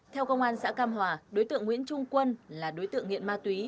theo công an xã cam hòa đối tượng nguyễn trung quân là đối tượng nghiện ma túy